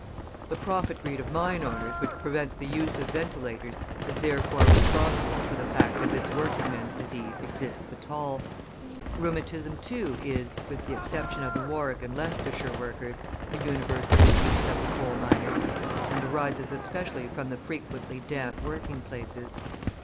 The profit greed of mine owners which prevents the use of ventilators is therefore responsible for the fact that this working men's disease exists at all. Rheumatism, too, is, with the exception of the Warwick and Leicestershire workers, a universal disease of the coal miners, and arises especially from the frequently damp working places.